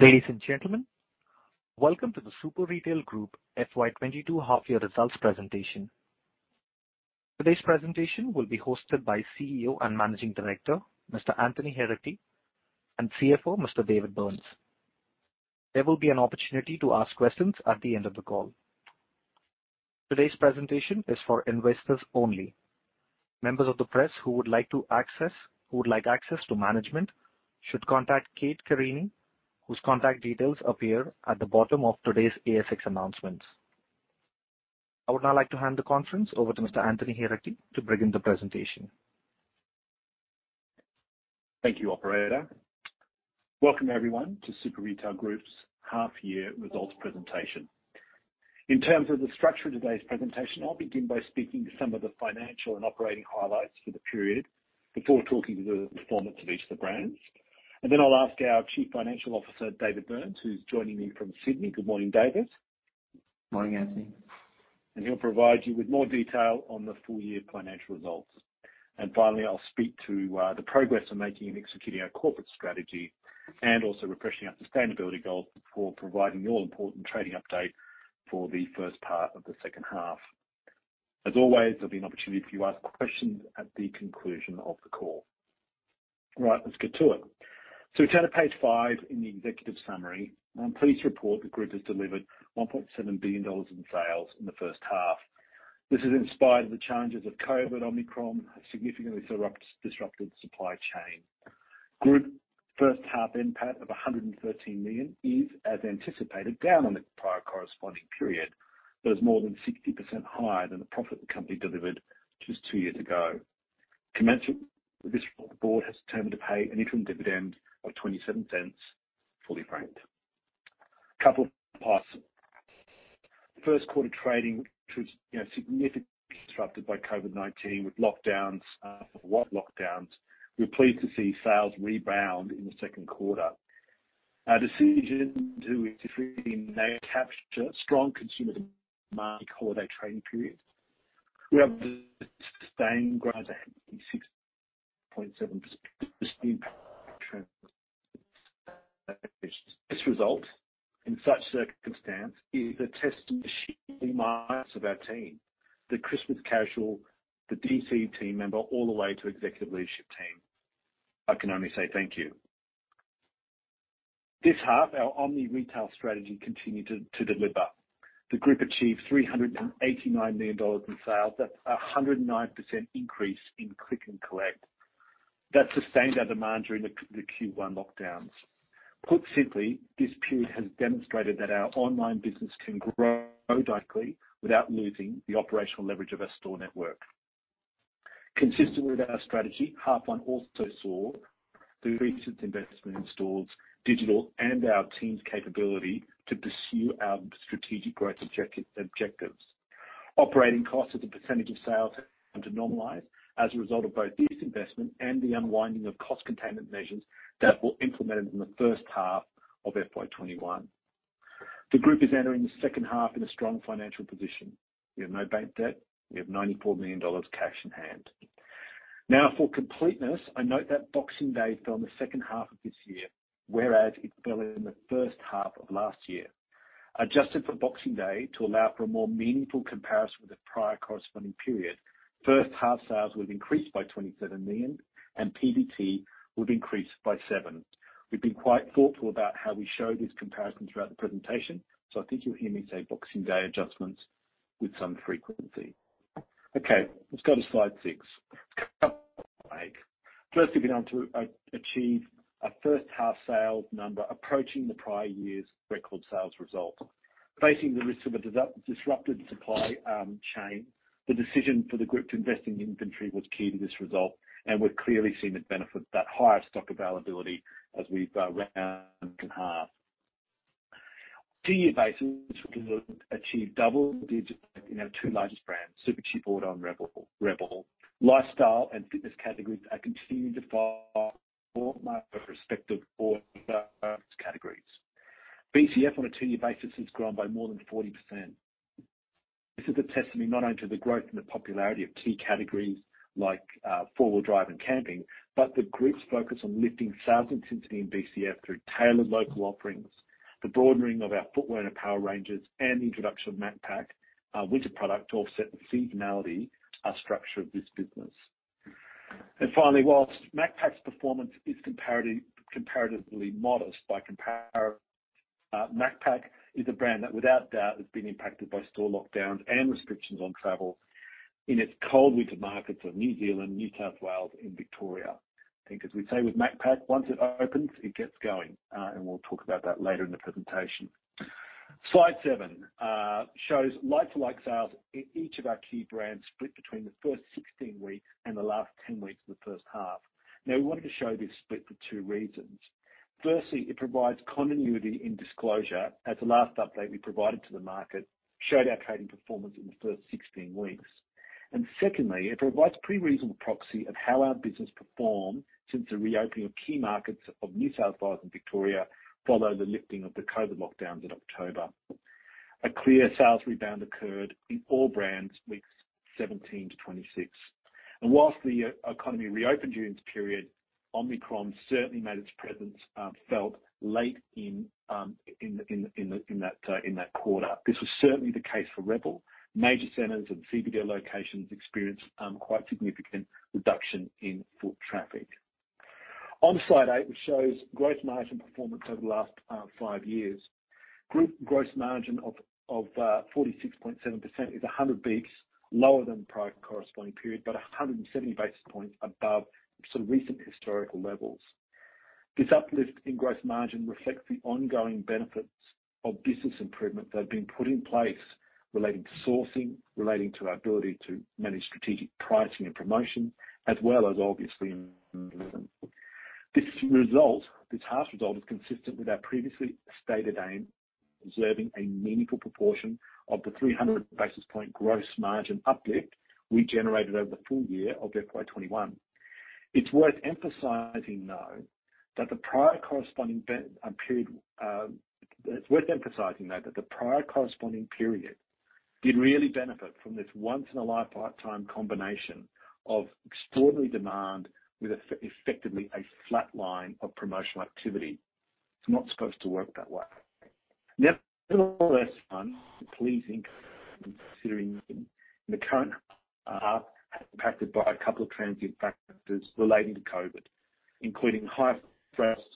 Ladies and gentlemen, welcome to the Super Retail Group FY 2022 half-year results presentation. Today's presentation will be hosted by CEO and Managing Director, Mr. Anthony Heraghty, and CFO, Mr. David Burns. There will be an opportunity to ask questions at the end of the call. Today's presentation is for investors only. Members of the press who would like access to management should contact Kate Carine, whose contact details appear at the bottom of today's ASX announcements. I would now like to hand the conference over to Mr. Anthony Heraghty to begin the presentation. Thank you, operator. Welcome everyone to Super Retail Group's half-year results presentation. In terms of the structure of today's presentation, I'll begin by speaking to some of the financial and operating highlights for the period before talking to the performance of each of the brands. I'll ask our Chief Financial Officer, David Burns, who's joining me from Sydney. Good morning, David. Morning, Anthony. He'll provide you with more detail on the full-year financial results. Finally, I'll speak to the progress we're making in executing our corporate strategy and also refreshing our sustainability goals before providing you an important trading update for the first half of the second half. As always, there'll be an opportunity for you to ask questions at the conclusion of the call. Right, let's get to it. If you turn to page five in the executive summary, I'm pleased to report the group has delivered 1.7 billion dollars in sales in the first half. This is in spite of the challenges of COVID Omicron, which significantly disrupted the supply chain. Group first half NPAT of 113 million is, as anticipated, down on the prior corresponding period. That is more than 60% higher than the profit the company delivered just two years ago. Commensurate with this report, the board has determined to pay an interim dividend of 0.27, fully franked. A couple of parts. First quarter trading, which was, you know, significantly disrupted by COVID-19 with lockdowns, widespread lockdowns. We're pleased to see sales rebound in the second quarter. Our decision to digitally capture strong consumer demand holiday trading period. We have sustained growth of 86.7%. This result in such circumstances is a testament to the sheer might of our team, the Christmas casual, the DC team member, all the way to Executive Leadership Team. I can only say thank you. This half, our omni-retail strategy continued to deliver. The Group achieved 389 million dollars in sales. That's a 109% increase in click and collect. That sustained our demand during the Q1 lockdowns. Put simply, this period has demonstrated that our online business can grow directly without losing the operational leverage of our store network. Consistent with our strategy, half one also saw the recent investment in stores, digital, and our team's capability to pursue our strategic growth objectives. Operating costs as a percentage of sales have begun to normalize as a result of both this investment and the unwinding of cost containment measures that were implemented in the first half of FY 2021. The group is entering the second half in a strong financial position. We have no bank debt. We have 94 million dollars cash in hand. Now for completeness, I note that Boxing Day fell in the second half of this year, whereas it fell in the first half of last year. Adjusted for Boxing Day to allow for a more meaningful comparison with the prior corresponding period, first half sales would increase by 27 million, and PBT would increase by 7 million. We've been quite thoughtful about how we show this comparison throughout the presentation, so I think you'll hear me say Boxing Day adjustments with some frequency. Okay, let's go to slide six. A couple of points to make. Firstly, we've been able to achieve a first half sales number approaching the prior year's record sales result. Facing the risk of a disrupted supply chain, the decision for the group to invest in inventory was key to this result, and we've clearly seen the benefit of that higher stock availability as we've rounded out the half. On a two-year basis, we've achieved double digits in our two largest brands, Supercheap Auto and rebel. Lifestyle and fitness categories have continued to far outpace the norm in respective product categories. BCF on a two-year basis has grown by more than 40%. This is a testament not only to the growth and the popularity of key categories like four-wheel drive and camping, but the group's focus on lifting sales intensity in BCF through tailored local offerings, the broadening of our footwear and power ranges, and the introduction of Macpac, our winter product, to offset the seasonality structure of this business. Finally, while Macpac's performance is comparatively modest by comparison, Macpac is a brand that without doubt has been impacted by store lockdowns and restrictions on travel in its cold winter markets of New Zealand, New South Wales, and Victoria. I think as we say with Macpac, once it opens, it gets going, and we'll talk about that later in the presentation. Slide seven shows like-for-like sales in each of our key brands split between the first 16 weeks and the last 10 weeks of the first half. Now, we wanted to show this split for two reasons. Firstly, it provides continuity in disclosure as the last update we provided to the market showed our trading performance in the first 16 weeks. Secondly, it provides a pretty reasonable proxy of how our business performed since the reopening of key markets of New South Wales and Victoria followed the lifting of the COVID lockdowns in October. A clear sales rebound occurred in all brands weeks 17-26. While the economy reopened during this period, Omicron certainly made its presence felt late in that quarter. This was certainly the case for rebel. Major centers and CBD locations experienced quite significant reduction in foot traffic. Onto Slide eight, which shows gross margin performance over the last five years. Group gross margin of 46.7% is 100 basis points lower than the prior corresponding period, but 170 basis points above some recent historical levels. This uplift in gross margin reflects the ongoing benefits of business improvement that have been put in place relating to sourcing, relating to our ability to manage strategic pricing and promotion. This result, this half result is consistent with our previously stated aim, observing a meaningful proportion of the 300 basis point gross margin uplift we generated over the full year of FY 2021. It's worth emphasizing, though, that the prior corresponding period did really benefit from this once in a lifetime combination of extraordinary demand with effectively a flat line of promotional activity. It's not supposed to work that way. Nevertheless, one pleasing aspect considering the current results are impacted by a couple of transient factors relating to COVID, including higher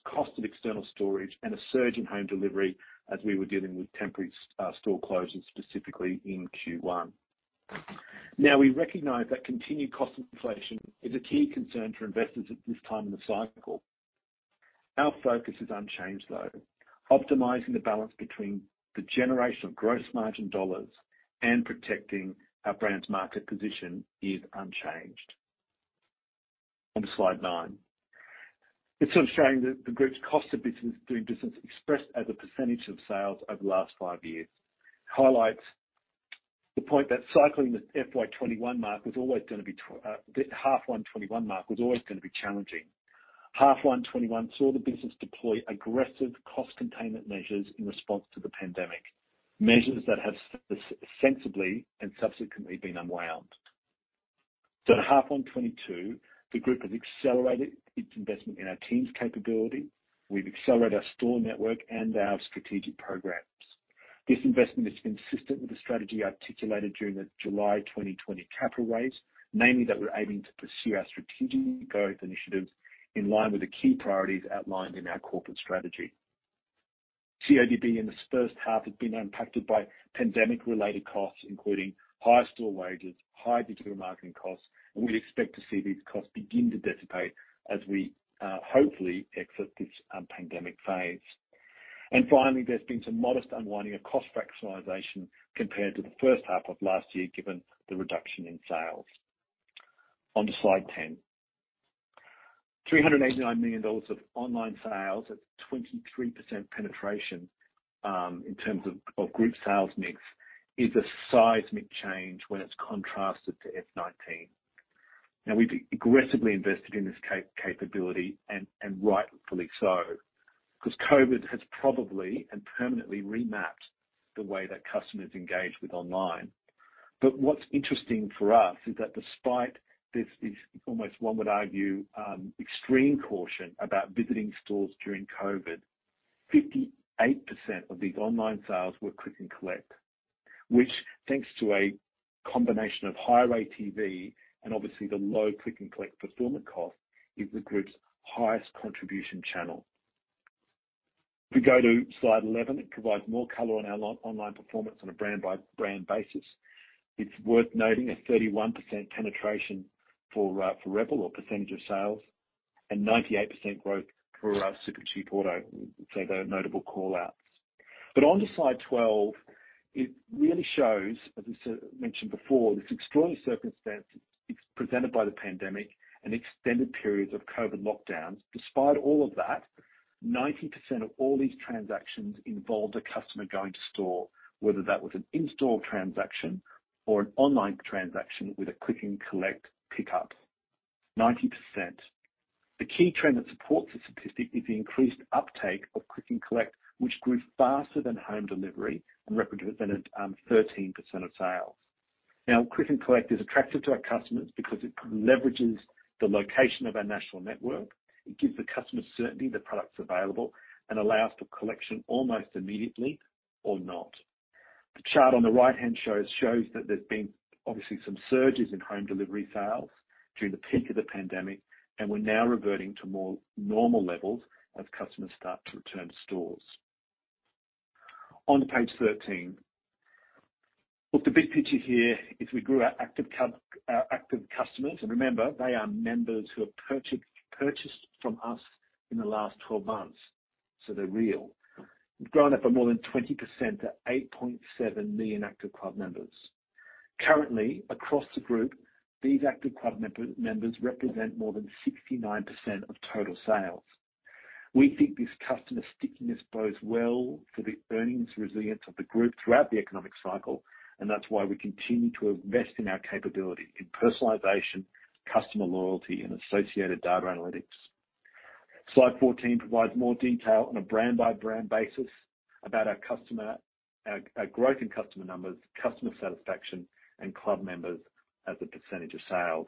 cost of external storage and a surge in home delivery as we were dealing with temporary store closures, specifically in Q1. Now, we recognize that continued cost inflation is a key concern for investors at this time in the cycle. Our focus is unchanged, though. Optimizing the balance between the generation of gross margin dollars and protecting our brand's market position is unchanged. On to slide nine. It's sort of showing the group's cost of doing business expressed as a percentage of sales over the last five years. Highlights the point that cycling the FY 2021 mark, the H1 2021 mark, was always gonna be challenging. 1H 2021 saw the business deploy aggressive cost containment measures in response to the pandemic, measures that have sensibly and subsequently been unwound. At 1H 2022, the group has accelerated its investment in our team's capability. We've accelerated our store network and our strategic programs. This investment is consistent with the strategy articulated during the July 2020 capital raise, namely that we're aiming to pursue our strategic growth initiatives in line with the key priorities outlined in our corporate strategy. CODB in this first half has been impacted by pandemic-related costs, including higher store wages, higher digital marketing costs, and we expect to see these costs begin to dissipate as we hopefully exit this pandemic phase. Finally, there's been some modest unwinding of cost rationalization compared to the first half of last year, given the reduction in sales. On to slide 10. 389 million dollars of online sales at 23% penetration in terms of group sales mix is a seismic change when it's contrasted to FY 2019. Now we've aggressively invested in this capability and rightfully so, 'cause COVID has probably and permanently remapped the way that customers engage with online. What's interesting for us is that despite this almost one would argue extreme caution about visiting stores during COVID, 58% of these online sales were click and collect, which thanks to a combination of higher ATV and obviously the low click and collect fulfillment cost, is the group's highest contribution channel. If we go to slide 11, it provides more color on our online performance on a brand by brand basis. It's worth noting a 31% penetration for rebel of sales and 98% growth for Supercheap Auto. They're notable call-outs. On to slide 12, it really shows, as I mentioned before, this extraordinary circumstance presented by the pandemic and extended periods of COVID lockdowns. Despite all of that, 90% of all these transactions involved a customer going to store, whether that was an in-store transaction or an online transaction with a click and collect pickup. 90%. The key trend that supports the statistic is the increased uptake of click and collect, which grew faster than home delivery and represented 13% of sales. Now, click and collect is attractive to our customers because it leverages the location of our national network. It gives the customer certainty the product's available and allows for collection almost immediately or not. The chart on the right-hand shows that there's been obviously some surges in home delivery sales during the peak of the pandemic, and we're now reverting to more normal levels as customers start to return to stores. On to page 13. Look, the big picture here is we grew our active club, our active customers, and remember, they are members who have purchased from us in the last twelve months, so they're real. We've grown up by more than 20% to 8.7 million active club members. Currently, across the group, these active club members represent more than 69% of total sales. We think this customer stickiness bodes well for the earnings resilience of the group throughout the economic cycle, and that's why we continue to invest in our capability in personalization, customer loyalty, and associated data analytics. Slide 14 provides more detail on a brand by brand basis about our customer growth in customer numbers, customer satisfaction, and club members as a percentage of sales.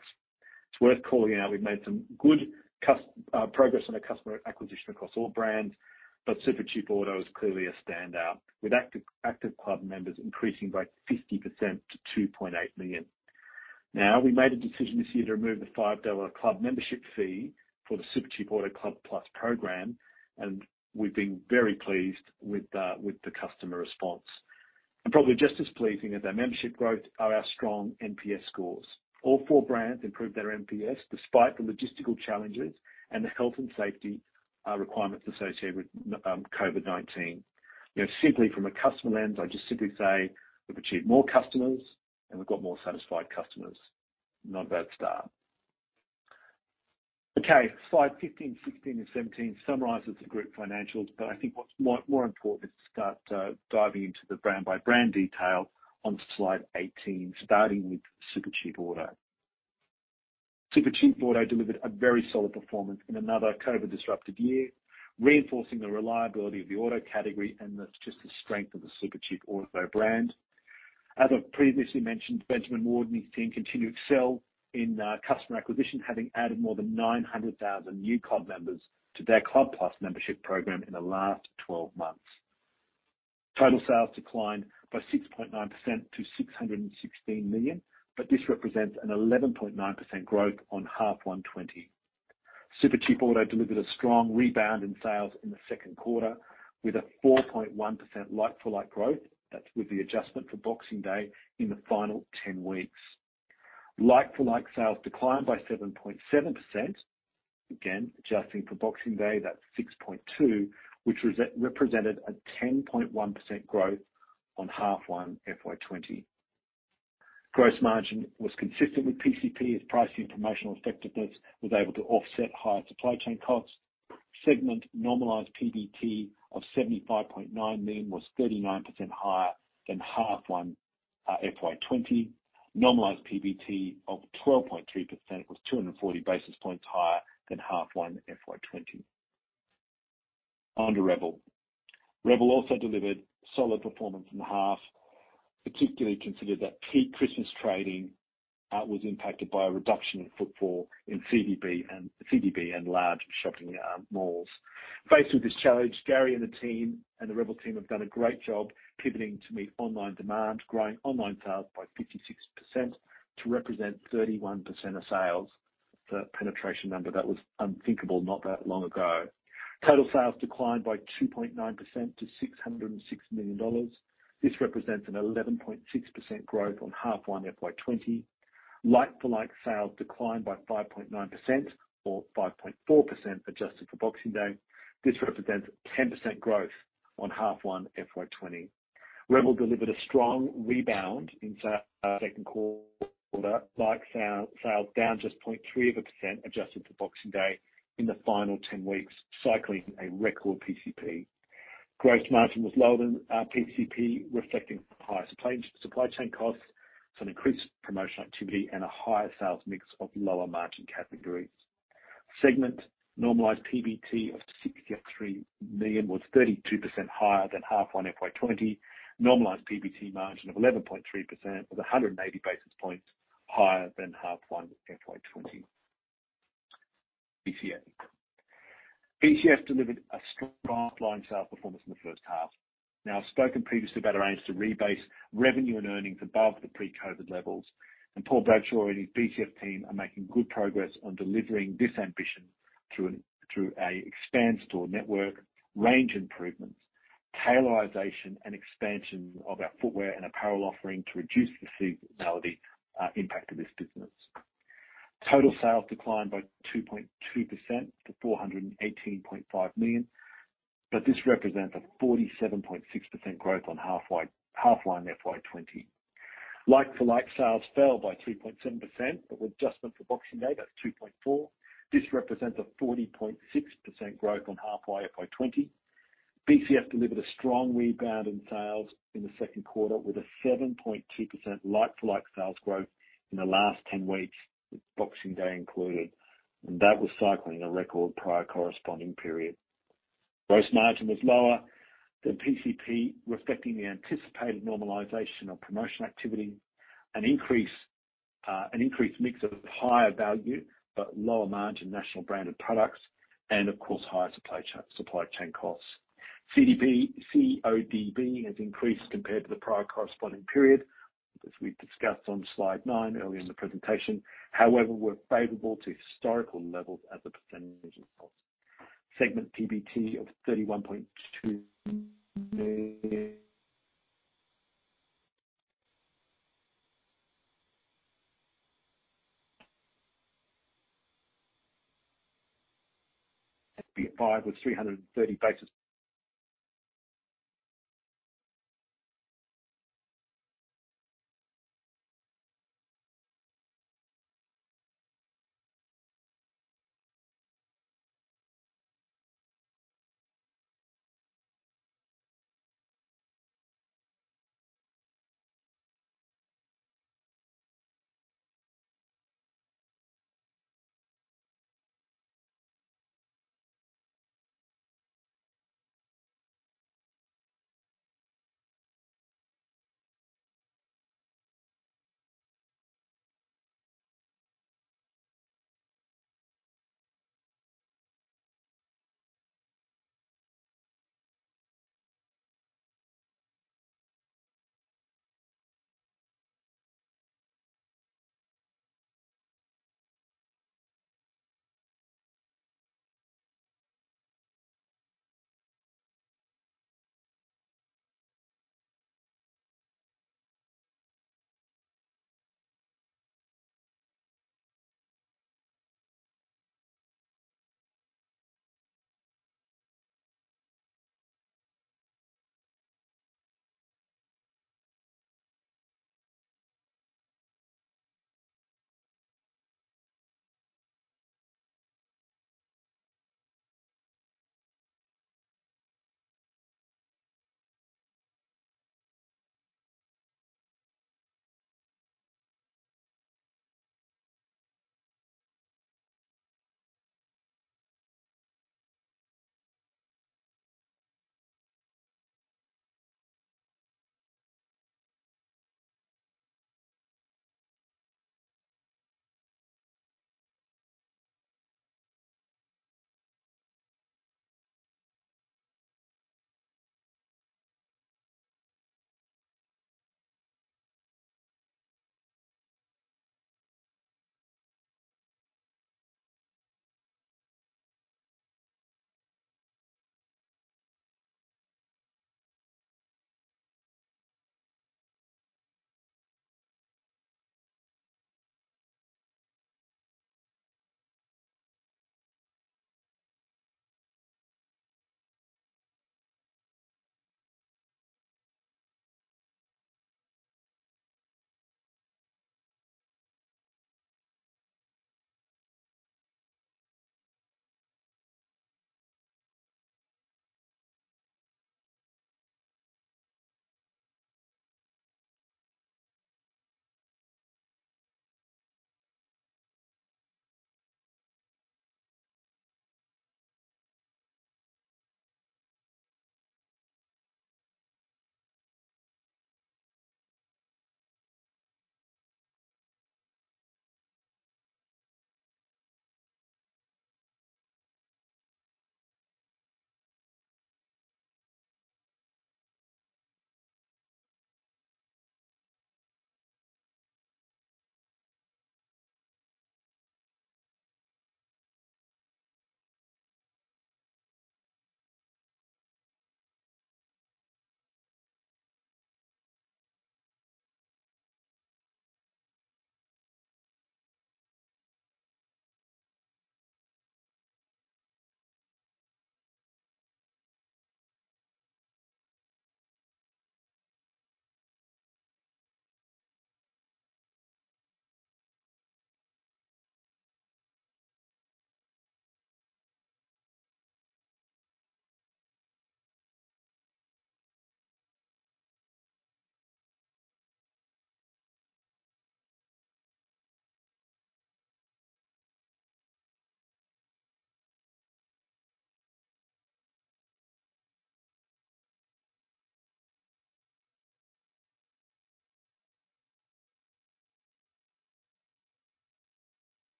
It's worth calling out we've made some good progress on our customer acquisition across all brands, but Supercheap Auto is clearly a standout, with active club members increasing by 50% to 2.8 million. Now, we made a decision this year to remove the 5 dollar club membership fee for the Supercheap Auto Club Plus program, and we've been very pleased with the customer response. Probably just as pleasing as our membership growth are our strong NPS scores. All four brands improved their NPS despite the logistical challenges and the health and safety requirements associated with COVID-19. You know, simply from a customer lens, I just simply say we've achieved more customers and we've got more satisfied customers. Not a bad start. Okay, slide 15, 16, and 17 summarizes the group financials, but I think what's more important is to start diving into the brand-by-brand detail on slide 18, starting with Supercheap Auto. Supercheap Auto delivered a very solid performance in another COVID-disrupted year, reinforcing the reliability of the auto category and just the strength of the Supercheap Auto brand. As I've previously mentioned, Benjamin Ward and his team continue to excel in customer acquisition, having added more than 900,000 new club members to their Club Plus membership program in the last 12 months. Total sales declined by 6.9% to 616 million, but this represents an 11.9% growth on half one FY 2020. Supercheap Auto delivered a strong rebound in sales in the second quarter with a 4.1% like-for-like growth. That's with the adjustment for Boxing Day in the final 10 weeks. Like-for-like sales declined by 7.7%. Again, adjusting for Boxing Day, that's 6.2%, which represented a 10.1% growth on half one FY 2020. Gross margin was consistent with PCP, as pricing promotional effectiveness was able to offset higher supply chain costs. Segment normalized PBT of 75.9 million was 39% higher than half one FY 2020. Normalized PBT of 12.3% was 240 basis points higher than half one FY 2020. On to rebel. rebel also delivered solid performance in the half, particularly considering that peak Christmas trading was impacted by a reduction in footfall in CBD and large shopping malls. Faced with this challenge, Gary and the team and the rebel team have done a great job pivoting to meet online demand, growing online sales by 56% to represent 31% of sales. The penetration number, that was unthinkable not that long ago. Total sales declined by 2.9% to 606 million dollars. This represents an 11.6% growth on half one FY 2020. Like-for-like sales declined by 5.9% or 5.4% adjusted for Boxing Day. This represents 10% growth on half one FY 2020. rebel delivered a strong rebound in second quarter. Like-for-like sales down just 0.3% adjusted for Boxing Day in the final 10 weeks, cycling a record PCP. Gross margin was lower than PCP, reflecting higher supply chain costs, some increased promotional activity, and a higher sales mix of lower-margin categories. Segment normalized PBT of 63 million was 32% higher than H1 FY 2020. Normalized PBT margin of 11.3% was 180 basis points higher than H1 FY 2020. BCF delivered a strong like-for-like sales performance in the first half. Now, I've spoken previously about our aims to rebase revenue and earnings above the pre-COVID levels, and Paul Bradshaw and his BCF team are making good progress on delivering this ambition through an expanded store network, range improvements, tailorization, and expansion of our footwear and apparel offering to reduce the seasonality impact of this business. Total sales declined by 2.2% to 418.5 million, but this represents a 47.6% growth on H1 FY 2020. Like-for-like sales fell by 2.7%, but with adjustment for Boxing Day, that's 2.4. This represents a 40.6% growth on H1 FY 2020. BCF delivered a strong rebound in sales in the second quarter, with a 7.2% like-for-like sales growth in the last 10 weeks, with Boxing Day included, and that was cycling a record prior corresponding period. Gross margin was lower than PCP, reflecting the anticipated normalization of promotional activity, an increased mix of higher value but lower-margin national branded products, and of course, higher supply chain costs. CODB has increased compared to the prior corresponding period, as we've discussed on slide nine earlier in the presentation. However, we're favorable to historical levels as a percentage of costs. Segment PBT of AUD 31.2 million, EBITDA of AUD 53.3 million.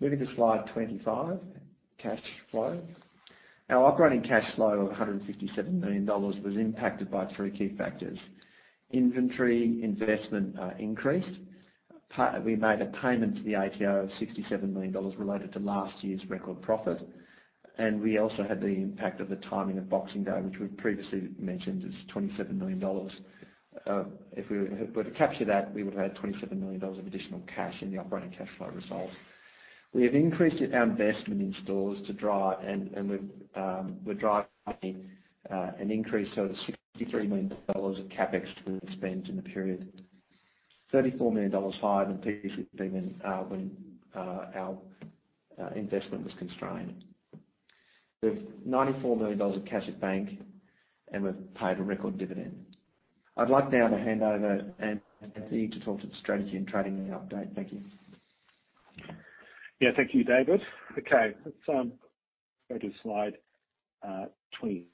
Moving to slide 25, cash flow. Our operating cash flow of 157 million dollars was impacted by three key factors. Inventory investment increased. We made a payment to the ATO of AUD 67 million related to last year's record profit. We also had the impact of the timing of Boxing Day, which we've previously mentioned is 27 million dollars. If we were to capture that, we would have had 27 million dollars of additional cash in the operating cash flow results. We have increased our investment in stores to drive, and we're driving an increase of AUD 63 million of CapEx to spend in the period. 34 million dollars higher than previously when our investment was constrained. We have 94 million dollars of cash at bank, and we've paid a record dividend. I'd like now to hand over to Anthony to talk to the strategy and trading update. Thank you. Yeah, thank you, David. Okay, let's go to slide 20.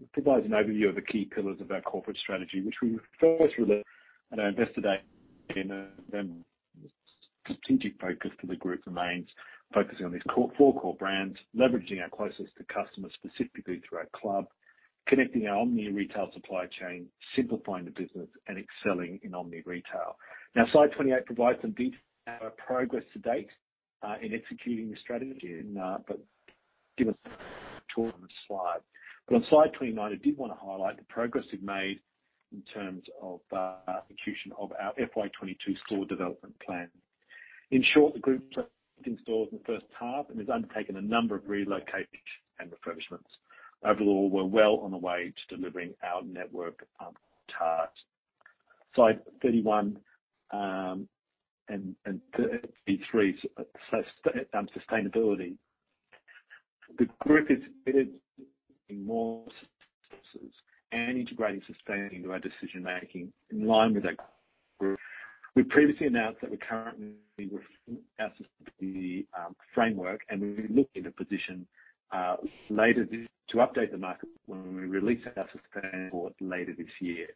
It provides an overview of the key pillars of our corporate strategy, which we first released at our Investor Day, and the strategic focus for the group remains focusing on these core four core brands, leveraging our closeness to customers, specifically through our club, connecting our omni retail supply chain, simplifying the business, and excelling in omni retail. Now, slide 28 provides some detail of our progress to date in executing the strategy and but give us a tour of the slide. But on slide 29, I did wanna highlight the progress we've made in terms of execution of our FY 2022 store development plan. In short, the group planned stores in the first half and has undertaken a number of relocations and refurbishments. Overall, we're well on the way to delivering our network on target. Slide 31, and 33, so, sustainability. The group is building more resources and integrating sustainability into our decision-making in line with our goals. We previously announced that we're currently developing our sustainability framework, and we look to publish it later this year to update the market when we release our sustainability report later this year.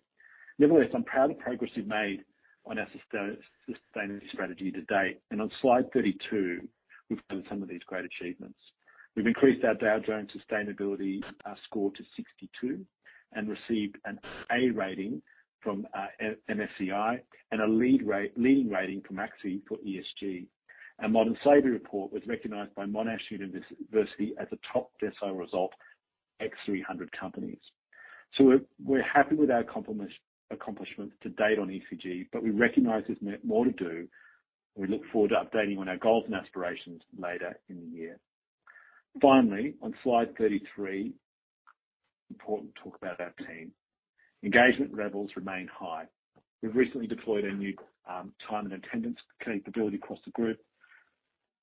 Nevertheless, I'm proud of the progress we've made on our sustainability strategy to date. On slide 32, we've highlighted some of these great achievements. We've increased our Dow Jones Sustainability score to 62 and received an A rating from MSCI and a leading rating from ISS for ESG. Our Modern Slavery report was recognized by Monash University as a top ASX 300 of 300 companies. We're happy with our accomplishments to date on ESG, but we recognize there's more to do. We look forward to updating on our goals and aspirations later in the year. Finally, on slide 33, it's important to talk about our team. Engagement levels remain high. We've recently deployed a new time and attendance capability across the group.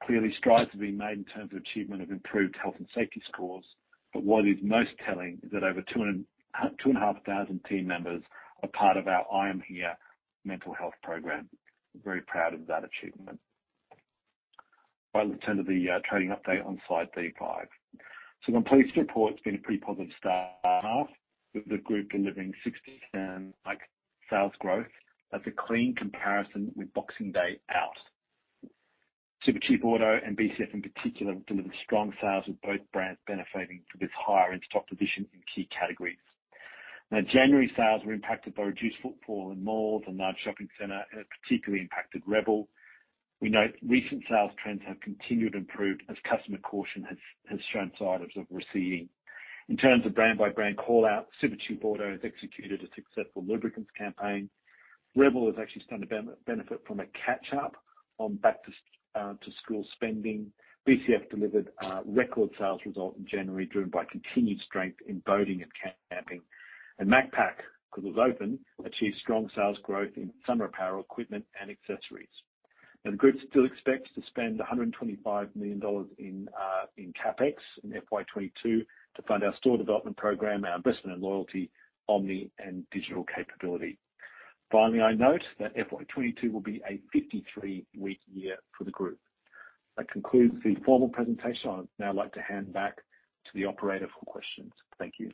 Clearly, strides are being made in terms of achievement of improved health and safety scores. What is most telling is that over 2,500 team members are part of our I Am Here mental health program. Very proud of that achievement. Right, let's turn to the trading update on slide 35. I'm pleased to report it's been a pretty positive start with the group delivering 60% like-for-like sales growth. That's a clean comparison with Boxing Day out. Supercheap Auto and BCF in particular delivered strong sales, with both brands benefiting from this higher in-stock position in key categories. January sales were impacted by reduced footfall in malls and large shopping centers and it particularly impacted rebel. We note recent sales trends have continued to improve as customer caution has shown signs of receding. In terms of brand-by-brand call-out, Supercheap Auto has executed a successful lubricants campaign. Rebel has actually started to benefit from a catch-up on back to school spending. BCF delivered record sales result in January, driven by continued strength in boating and camping. Macpac, 'cause it was open, achieved strong sales growth in summer apparel equipment and accessories. The group still expects to spend 125 million dollars in CapEx in FY 2022 to fund our store development program, our investment and loyalty, omni, and digital capability. Finally, I note that FY 2022 will be a 53-week year for the group. That concludes the formal presentation. I'd now like to hand back to the operator for questions. Thank you.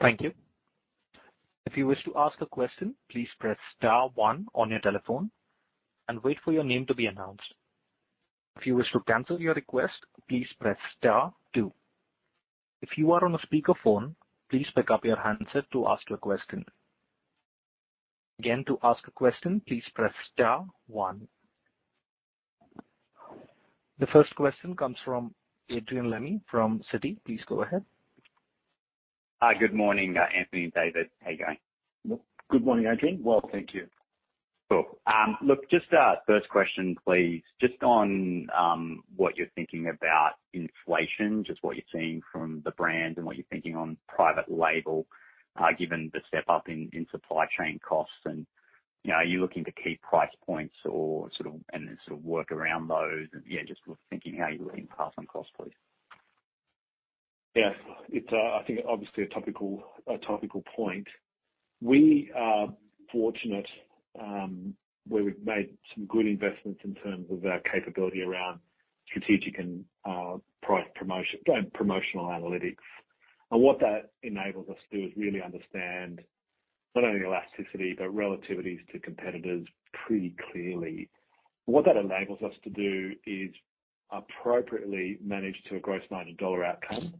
Thank you. If you wish to ask a question, please press star one on your telephone and wait for your name to be announced. If you wish to cancel your request, please press star two. If you are on a speakerphone, please pick up your handset to ask your question. Again, to ask a question, please press star one. The first question comes from Adrian Lemme from Citi. Please go ahead. Hi. Good morning, Anthony and David. How are you going? Good morning, Adrian. Well, thank you. Cool. Look, just first question, please. Just on what you're thinking about inflation, just what you're seeing from the brands and what you're thinking on private label, given the step up in supply chain costs and, you know, are you looking to keep price points or sort of and then sort of work around those and, yeah, just thinking how you're looking to pass on costs, please. Yes. It's, I think, obviously a topical point. We are fortunate where we've made some good investments in terms of our capability around strategic and price promotion, promotional analytics. What that enables us to do is really understand not only elasticity, but relativities to competitors pretty clearly. What that enables us to do is appropriately manage to a gross AUD 90 outcome,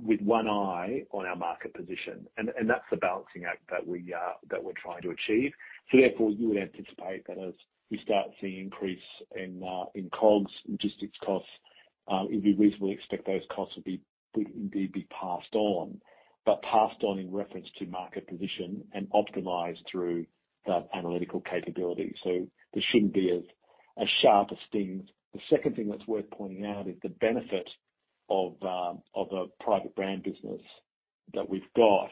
with one eye on our market position. That's the balancing act that we're trying to achieve. Therefore, you would anticipate that as we start seeing increase in COGS, logistics costs, you'd reasonably expect those costs will be indeed passed on, but passed on in reference to market position and optimized through that analytical capability. There shouldn't be as sharp a sting. The second thing that's worth pointing out is the benefit of a private brand business that we've got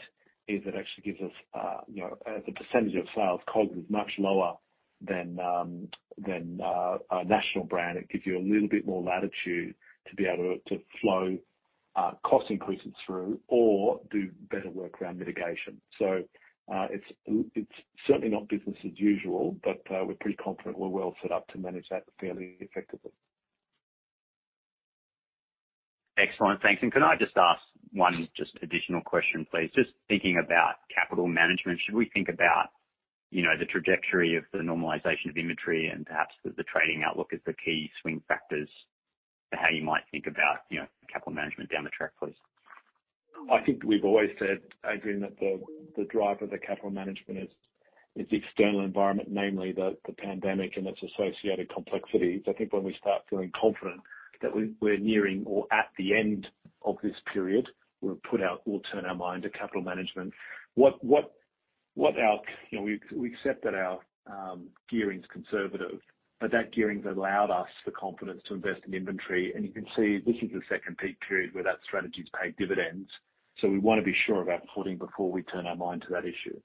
is it actually gives us, you know, as a percentage of sales, COGS is much lower than a national brand. It gives you a little bit more latitude to be able to flow cost increases through or do better work around mitigation. It's certainly not business as usual, but we're pretty confident we're well set up to manage that fairly effectively. Excellent. Thanks. Could I just ask one additional question, please? Just thinking about capital management, should we think about, you know, the trajectory of the normalization of inventory and perhaps the trading outlook as the key swing factors to how you might think about, you know, capital management down the track, please? I think we've always said, Adrian, that the drive of the capital management is the external environment, namely the pandemic and its associated complexities. I think when we start feeling confident that we're nearing or at the end of this period, we'll turn our mind to capital management. You know, we accept that our gearing's conservative, but that gearing's allowed us the confidence to invest in inventory. You can see this is the second peak period where that strategy has paid dividends. We wanna be sure of our footing before we turn our mind to that issue.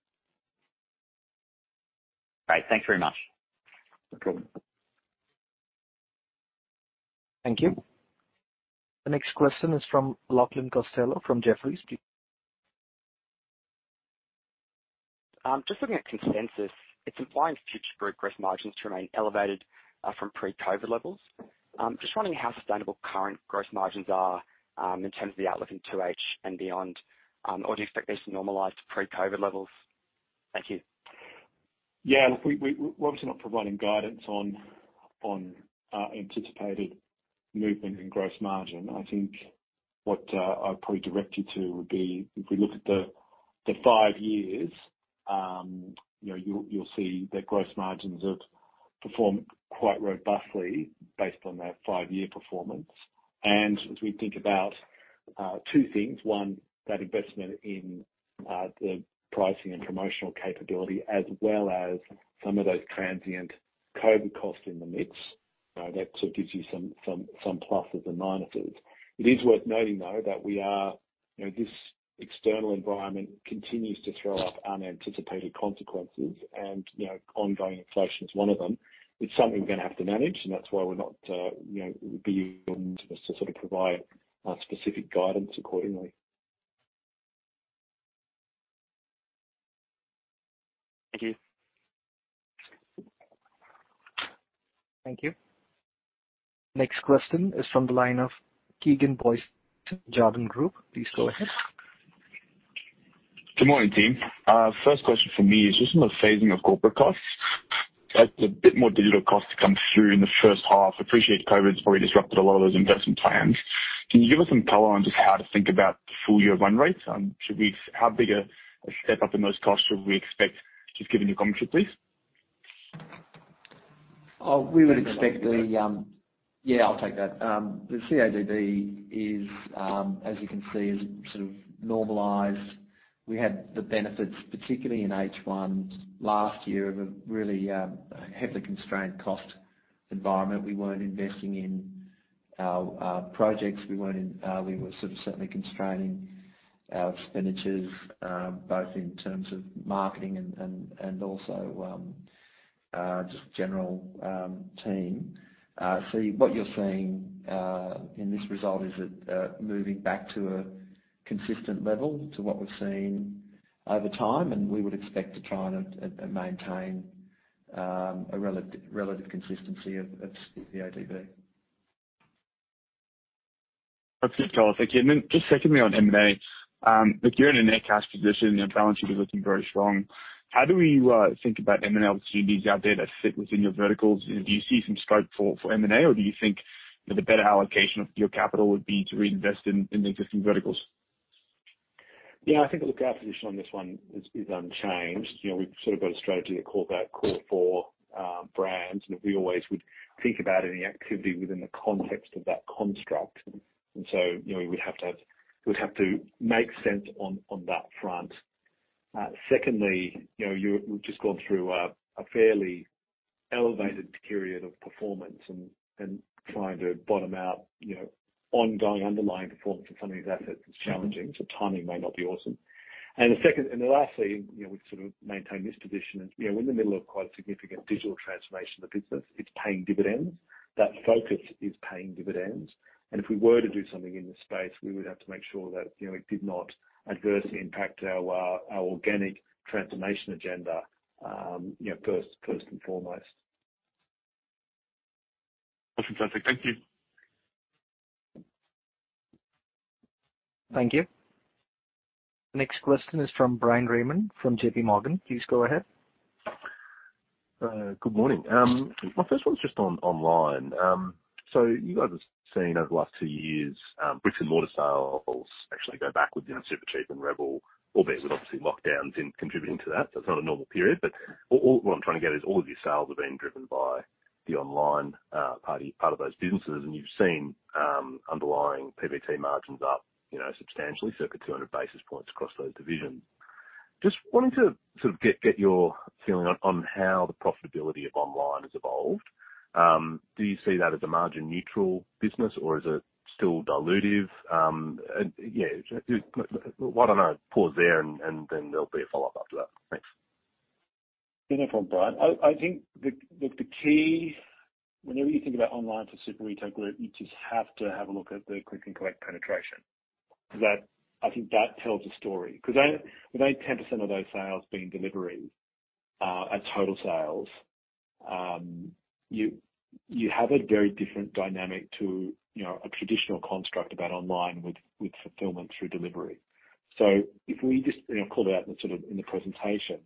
Great. Thanks very much. No problem. Thank you. The next question is from Lachlan Costello from Jefferies. Just looking at consensus, it's implying Super Retail Group growth margins to remain elevated from pre-COVID levels. Just wondering how sustainable current gross margins are in terms of the outlook in 2H and beyond, or do you expect these to normalize to pre-COVID levels? Thank you. Yeah. We whilst we're not providing guidance on anticipated movement in gross margin, I think what I'd probably direct you to would be if we look at the five years, you know, you'll see that gross margins have performed quite robustly based on that five-year performance. As we think about two things. One, that investment in the pricing and promotional capability as well as some of those transient COVID costs in the mix, that sort of gives you some pluses and minuses. It is worth noting though that you know, this external environment continues to throw up unanticipated consequences and, you know, ongoing inflation is one of them. It's something we're gonna have to manage, and that's why we're not, you know, being able to sort of provide specific guidance accordingly. Thank you. Thank you. Next question is from the line of Keegan Booysen, Jarden Group. Please go ahead. Good morning, team. First question from me is just on the phasing of corporate costs. Expect a bit more digital costs to come through in the first half. I appreciate COVID's probably disrupted a lot of those investment plans. Can you give us some color on just how to think about the full year run rates? How big a step up in those costs should we expect? Just giving you commentary, please. Oh, we would expect the Yeah, I'll take that. Yeah, I'll take that. The CODB is, as you can see, sort of normalized. We had the benefits, particularly in H1 last year, of a really heavily constrained cost environment. We weren't investing in our projects. We were sort of certainly constraining our expenditures, both in terms of marketing and also just general team. What you're seeing in this result is it moving back to a consistent level to what we've seen over time, and we would expect to try and maintain a relative consistency of CODB. That's good color. Thank you. Just secondly, on M&A. Look, you're in a net cash position. Your balance sheet is looking very strong. How do we think about M&A opportunities out there that fit within your verticals? Do you see some scope for M&A, or do you think that the better allocation of your capital would be to reinvest in the existing verticals? Yeah, I think, look, our position on this one is unchanged. You know, we've sort of got a strategy that core four brands, and we always would think about any activity within the context of that construct. You know, we'd have to make sense on that front. Secondly, you know, we've just gone through a fairly elevated period of performance and trying to bottom out, you know, ongoing underlying performance of some of these assets is challenging, so timing may not be awesome. Then lastly, you know, we'd sort of maintain this position, and, you know, we're in the middle of quite a significant digital transformation of the business. It's paying dividends. That focus is paying dividends. If we were to do something in this space, we would have to make sure that, you know, it did not adversely impact our organic transformation agenda, you know, first and foremost. That's fantastic. Thank you. Thank you. Next question is from Bryan Raymond from J.P. Morgan. Please go ahead. Good morning. My first one's just on online. You guys have seen over the last two years, bricks and mortar sales actually go backwards, you know, Supercheap and rebel, albeit with obviously lockdowns contributing to that. It's not a normal period. All what I'm trying to get is all of your sales are being driven by the online part of those businesses. You've seen underlying PBT margins up, you know, substantially, circa 200 basis points across those divisions. Just wanting to sort of get your feeling on how the profitability of online has evolved. Do you see that as a margin neutral business or is it still dilutive? Yeah, why don't I pause there and then there'll be a follow-up after that. Thanks. Yeah, no problem, Bryan. I think the key whenever you think about online for Super Retail Group, you just have to have a look at the click and collect penetration because I think that tells a story. 'Cause only 10% of those sales being delivery at total sales, you have a very different dynamic to, you know, a traditional construct about online with fulfillment through delivery. If we just you know, called out in sort of in the presentation,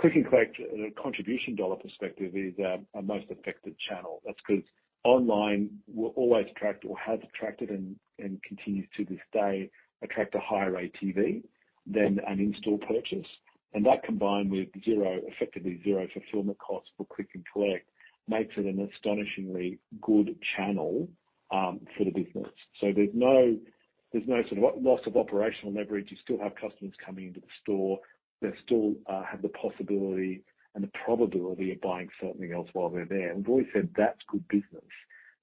click and collect contribution dollar perspective is our most affected channel. That's 'cause online will always attract or has attracted and continues to this day attract a higher ATV than an in-store purchase. And that combined with zero, effectively zero fulfillment costs for click and collect makes it an astonishingly good channel for the business. There's no sort of loss of operational leverage. You still have customers coming into the store. They still have the possibility and the probability of buying something else while they're there. We've always said that's good business.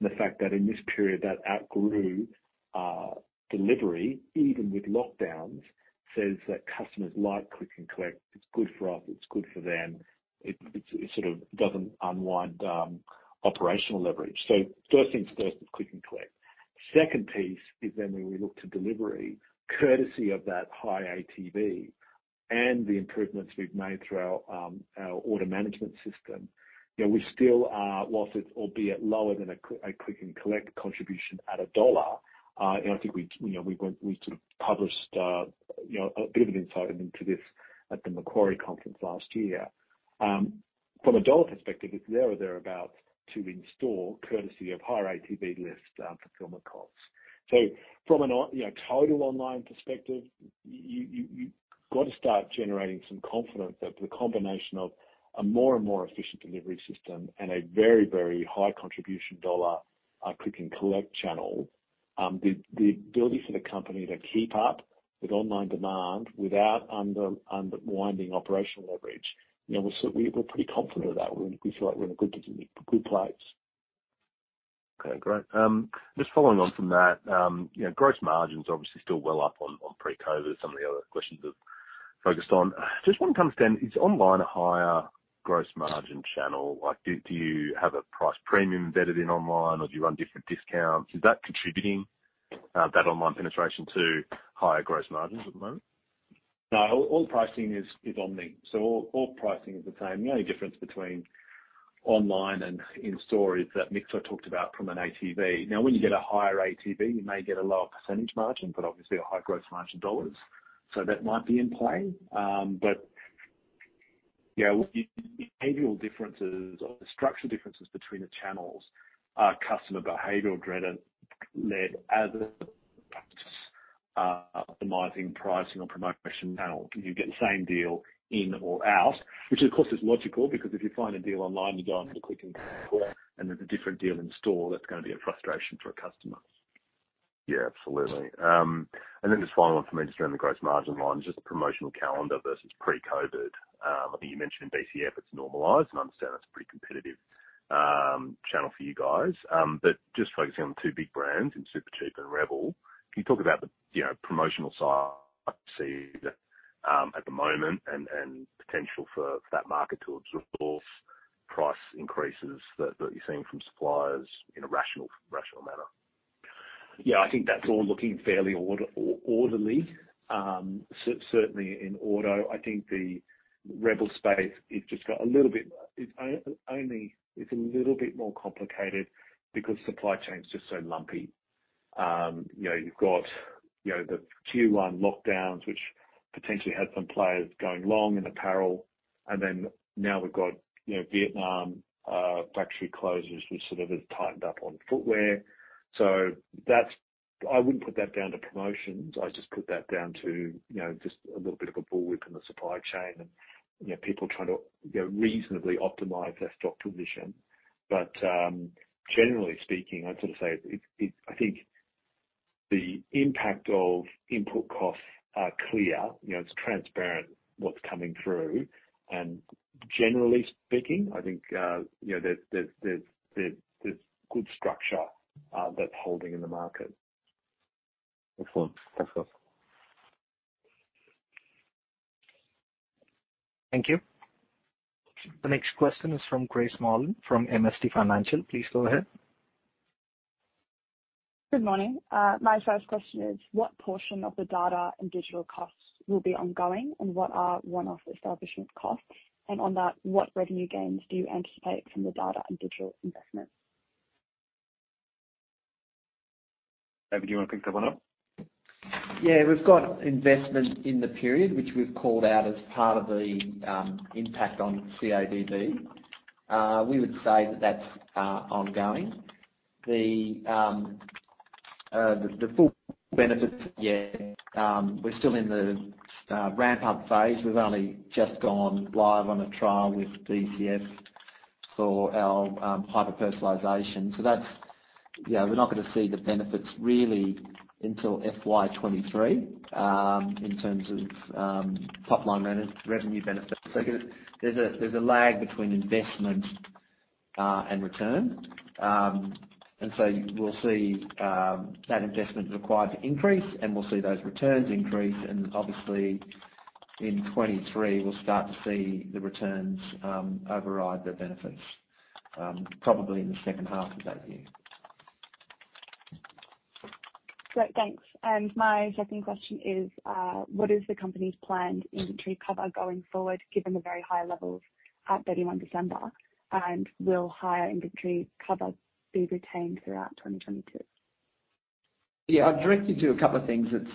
The fact that in this period that outgrew delivery, even with lockdowns, says that customers like click-and-collect. It's good for us, it's good for them. It sort of doesn't unwind operational leverage. First things first is click-and-collect. Second piece is then when we look to delivery, courtesy of that high ATV and the improvements we've made through our order management system, we still are losing it, albeit lower than a click-and-collect contribution at a dollar. I think we, you know, we sort of published, you know, a bit of an insight into this at the Macquarie Conference last year. From a dollar perspective, it's there or thereabouts to in-store courtesy of higher ATV lift, fulfillment costs. From an online perspective, you gotta start generating some confidence that the combination of a more and more efficient delivery system and a very, very high contribution dollar, click-and-collect channel, the ability for the company to keep up with online demand without undermining operational leverage, you know, we're pretty confident of that. We feel like we're in a good place. Okay, great. Just following on from that, you know, gross margins obviously still well up on pre-COVID, some of the other questions have focused on. Just want to understand, is online a higher gross margin channel? Like, do you have a price premium embedded in online, or do you run different discounts? Is that contributing, that online penetration to higher gross margins at the moment? No, all pricing is omni, so all pricing is the same. The only difference between online and in-store is that mix I talked about from an ATV. Now, when you get a higher ATV, you may get a lower percentage margin, but obviously a high gross margin dollars. That might be in play. You know, behavioral differences or the structural differences between the channels are customer behavioral-driven, led as optimizing pricing or promotion now. You get the same deal in or out, which of course is logical because if you find a deal online, you go on to the click and collect, and there's a different deal in store, that's gonna be a frustration for a customer. Yeah, absolutely. Just final one for me, just around the gross margin line, just the promotional calendar versus pre-COVID. I think you mentioned in BCF it's normalized, and I understand that's a pretty competitive channel for you guys. Just focusing on two big brands in Supercheap and rebel, can you talk about the, you know, promotional side at the moment and potential for that market to absorb price increases that you're seeing from suppliers in a rational manner? Yeah, I think that's all looking fairly orderly. Certainly in auto. I think the rebel space, it's just got a little bit more complicated because supply chain's just so lumpy. You know, you've got, you know, the Q1 lockdowns, which potentially had some players going long in apparel, and then now we've got, you know, Vietnam factory closures which sort of have tightened up on footwear. So that's, I wouldn't put that down to promotions. I'd just put that down to, you know, just a little bit of a bullwhip in the supply chain and, you know, people trying to, you know, reasonably optimize their stock position. But generally speaking, I'd sort of say it's, I think the impact of input costs are clear. You know, it's transparent what's coming through. Generally speaking, I think, you know, there's good structure that's holding in the market. Excellent. Thanks. Thank you. The next question is from Grace Malin from MST Financial. Please go ahead. Good morning. My first question is, what portion of the data and digital costs will be ongoing, and what are one-off establishment costs? On that, what revenue gains do you anticipate from the data and digital investments? David, do you wanna pick that one up? Yeah. We've got investment in the period, which we've called out as part of the impact on CODB. We would say that that's ongoing. We haven't seen the full benefits yet. We're still in the ramp-up phase. We've only just gone live on a trial with BCF for our hyper-personalization. So that's, you know, we're not gonna see the benefits really until FY 2023 in terms of top-line revenue benefits. There's a lag between investment and return. We'll see that investment required to increase, and we'll see those returns increase. Obviously in 2023, we'll start to see the returns override the benefits, probably in the second half of that year. Great. Thanks. My second question is, what is the company's planned inventory cover going forward, given the very high levels at 31 December? Will higher inventory cover be retained throughout 2022? Yeah. I'd direct you to a couple of things that's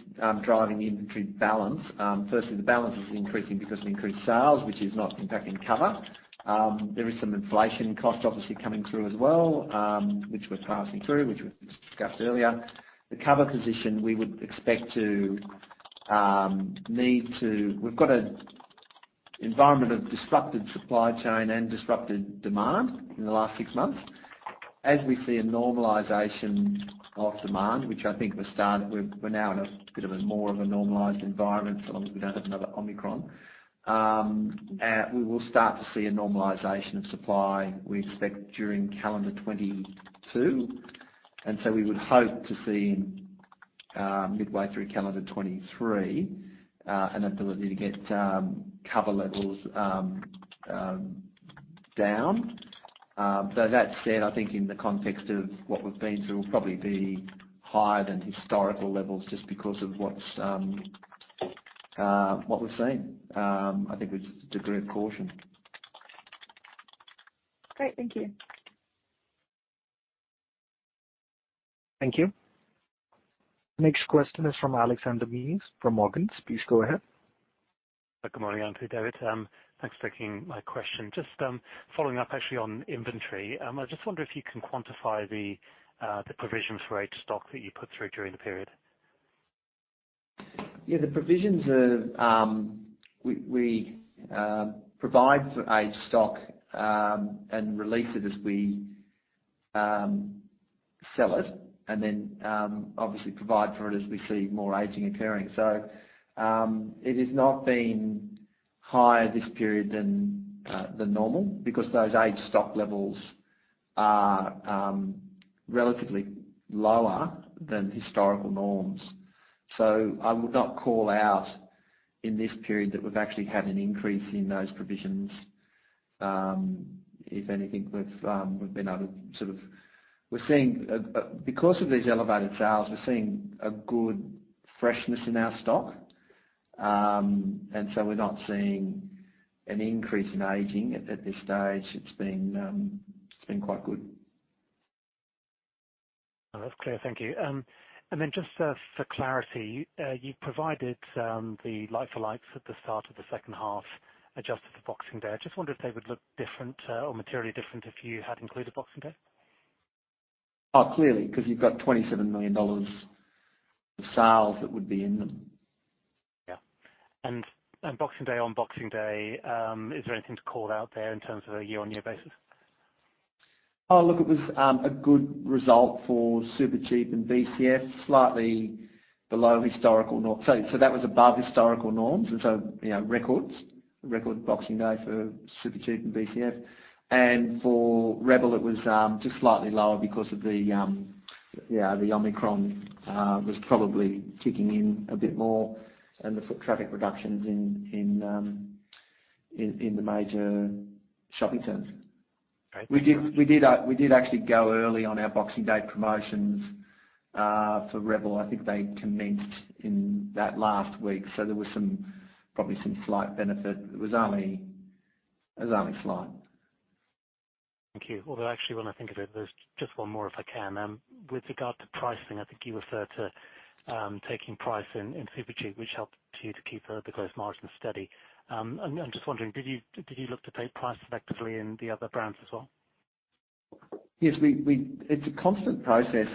driving the inventory balance. Firstly, the balance is increasing because of increased sales, which is not impacting cover. There is some inflation cost obviously coming through as well, which we're passing through, which we discussed earlier. The cover position we would expect. We've got an environment of disrupted supply chain and disrupted demand in the last six months. As we see a normalization of demand, which I think we're now in a bit of a more of a normalized environment, so long as we don't have another Omicron, we will start to see a normalization of supply, we expect, during calendar 2022. We would hope to see midway through calendar 2023, an ability to get cover levels down. Though that said, I think in the context of what we've been through, we'll probably be higher than historical levels just because of what we're seeing. I think with a degree of caution. Great. Thank you. Thank you. Next question is from Alexander Mees from Morgans. Please go ahead. Good morning, Anthony, David. Thanks for taking my question. Just, following up actually on inventory. I just wonder if you can quantify the provision for aged stock that you put through during the period. Yeah, the provisions are, we provide for aged stock and release it as we sell it, and then obviously provide for it as we see more aging occurring. It has not been higher this period than normal because those aged stock levels are relatively lower than historical norms. I would not call out in this period that we've actually had an increase in those provisions. If anything, because of these elevated sales, we're seeing a good freshness in our stock, and so we're not seeing an increase in aging at this stage. It's been quite good. That's clear. Thank you. Just for clarity, you've provided the like-for-likes at the start of the second half, adjusted for Boxing Day. I just wondered if they would look different, or materially different if you had included Boxing Day. Oh, clearly, 'cause you've got 27 million dollars of sales that would be in them. Yeah. On Boxing Day, is there anything to call out there in terms of a year-on-year basis? Oh, look, it was a good result for Supercheap and BCF. That was above historical norms, and you know, records. Record Boxing Day for Supercheap and BCF. For rebel, it was just slightly lower because of the Omicron was probably kicking in a bit more and the foot traffic reductions in the major shopping centers. Great. We did actually go early on our Boxing Day promotions for rebel. I think they commenced in that last week, so there was probably some slight benefit. It was only slight. Thank you. Although, actually, when I think of it, there's just one more, if I can. With regard to pricing, I think you referred to taking price in Supercheap, which helped you to keep the gross margin steady. I'm just wondering, did you look to take price effectively in the other brands as well? Yes. It's a constant process.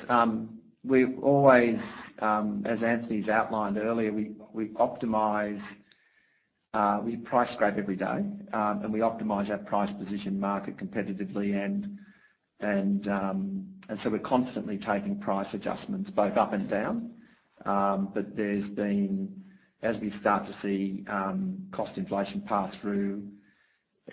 We've always, as Anthony has outlined earlier, we optimize, we price scrape every day, and we optimize our price position in the market competitively, and so we're constantly taking price adjustments both up and down. As we start to see cost inflation pass through,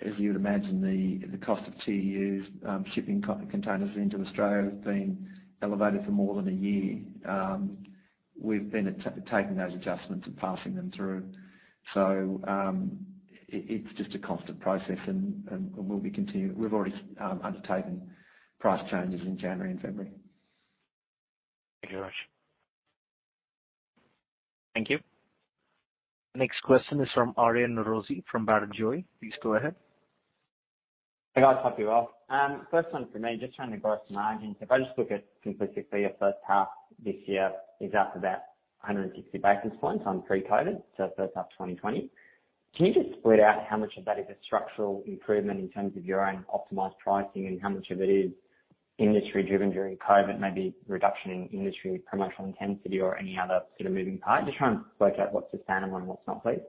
as you would imagine, the cost of TEUs, shipping containers into Australia has been elevated for more than a year. We've been taking those adjustments and passing them through. It's just a constant process and we'll be continuing. We've already undertaken price changes in January and February. Thank you very much. Thank you. Next question is from Aryan Norozi from Barrenjoey. Please go ahead. Hey, guys. Hope you're well. First one from me, just trying the gross margins. If I just look at simply your first half this year is up about 160 basis points on pre-COVID, so first half of 2020. Can you just split out how much of that is a structural improvement in terms of your own optimized pricing and how much of it is industry driven during COVID, maybe reduction in industry promotional intensity or any other sort of moving part? Just trying to work out what's sustainable and what's not, please.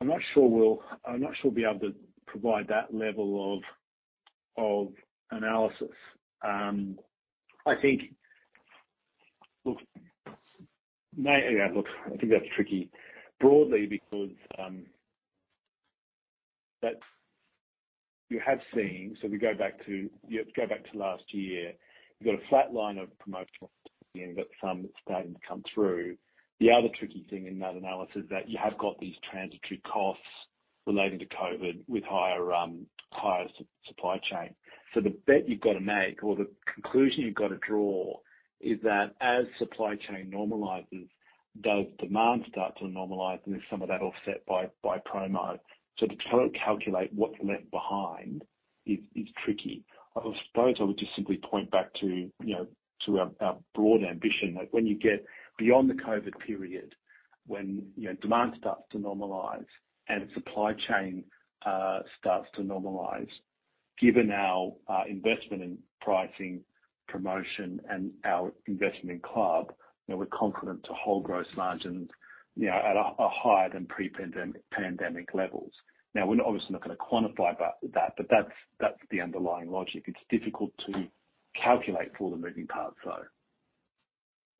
I'm not sure we'll be able to provide that level of analysis. I think, look, that's tricky broadly because you have seen. So we go back to, you go back to last year, you've got a flatline of promotional Mm-hmm. Some starting to come through. The other tricky thing in that analysis is that you have got these transitory costs relating to COVID with higher supply chain. The bet you've got to make or the conclusion you've got to draw is that as supply chain normalizes, does demand start to normalize? There's some of that offset by promo. To try to calculate what's left behind is tricky. I suppose I would just simply point back to, you know, to our broad ambition. Like, when you get beyond the COVID period. When you know demand starts to normalize and supply chain starts to normalize, given our investment in pricing, promotion, and our investment in club, you know, we're confident to hold gross margins, you know, at a higher than pre-pandemic levels. Now we're obviously not gonna quantify but with that, but that's the underlying logic. It's difficult to calculate for all the moving parts.